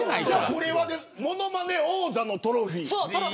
これはものまね王座のトロフィー。